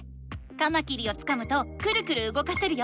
カマキリをつかむとクルクルうごかせるよ。